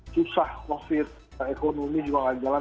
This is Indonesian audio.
susah covid ekonomi juga nggak jalan